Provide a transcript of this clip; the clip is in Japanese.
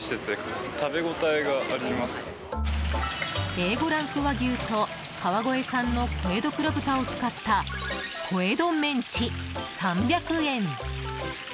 Ａ５ランク和牛と川越産の小江戸黒豚を使った小江戸メンチ、３００円。